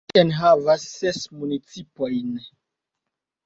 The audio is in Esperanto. Ĝi enhavas ses municipojn.